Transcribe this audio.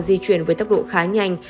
di chuyển với tốc độ khá nhanh